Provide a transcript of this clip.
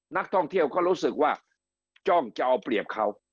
นักท่องเที่ยวก็รู้สึกว่าจ้องจะเอาเปรียบเขา